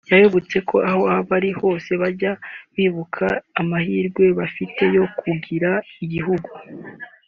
yabibukije ko aho bari hose bajya bibuka amahirwe bafite yo kugira igihugu